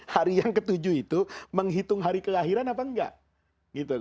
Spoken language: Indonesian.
hari yang ketujuh itu menghitung hari kelahiran apa enggak